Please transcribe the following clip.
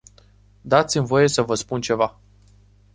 Dați-mi voie să vă spun ceva.